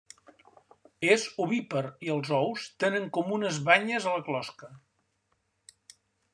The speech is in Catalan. És ovípar i els ous tenen com unes banyes a la closca.